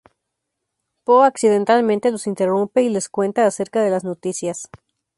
Po accidentalmente los interrumpe y les cuenta acerca de las noticias.